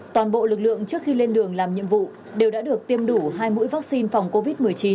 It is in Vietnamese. toàn bộ lực lượng trước khi lên đường làm nhiệm vụ đều đã được tiêm đủ hai mũi vaccine phòng covid một mươi chín